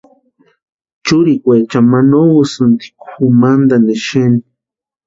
Churukwaechani ma no úsïnti kʼumantani exeni.